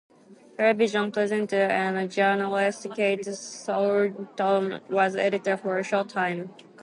Television presenter and journalist Kate Thornton was editor for a short time.